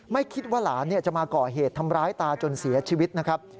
ไม่คิดว่าหลานจะมาก่อเหตุทำร้ายตาจนเสียชีวิตนะครับ